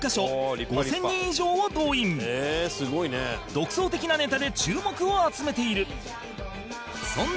独創的なネタで注目を集めている